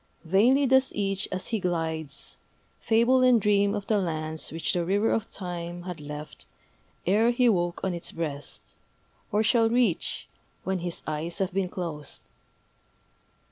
Vainly does each, as he glides, Fable and dream Of the lands which the River of Time Had left ere he woke on its breast, Or shall reach when his eyes have been closed.